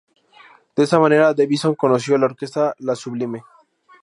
De esa manera Davidson conoció la orquesta La Sublime.